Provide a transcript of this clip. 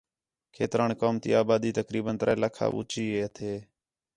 کھیتران قوم تی آبادی تقریباً ترے لاکھ آ اُوچی ہتھے